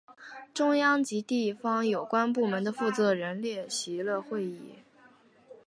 中央及地方有关部门的负责人列席了会议。